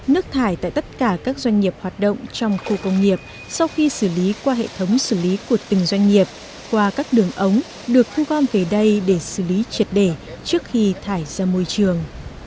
nước thải tại tất cả các doanh nghiệp hoạt động trong khu công nghiệp sau khi xử lý qua hệ thống xử lý của từng doanh nghiệp qua các đường ống được thu gom về đây để xử lý triệt đề trước khi thải ra môi trường